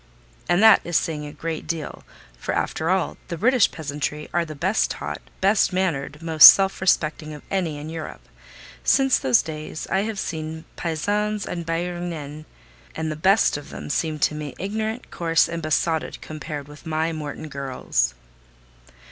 And that is saying a great deal; for after all, the British peasantry are the best taught, best mannered, most self respecting of any in Europe: since those days I have seen paysannes and Bäuerinnen; and the best of them seemed to me ignorant, coarse, and besotted, compared with my Morton girls.